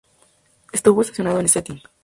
Estuvo estacionado en Stettin.